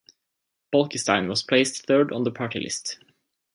Bolkestein was placed third on the party list.